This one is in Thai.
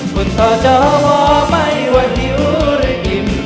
คนต่อเจ้าว่าไม่ว่าหิวหรืออิ่ม